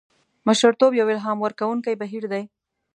مشرتوب یو الهام ورکوونکی بهیر دی.